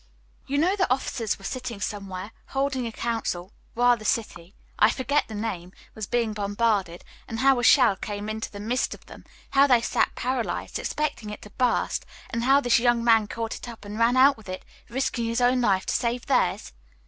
"You know the officers were sitting somewhere, holding a council, while the city (I forget the name) was being bombarded, and how a shell came into the midst of them, how they sat paralyzed, expecting it to burst, and how this young man caught it up and ran out with it, risking his own life to save theirs?"